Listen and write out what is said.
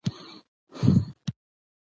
اګسټ میاشتې د افغانستان سقوط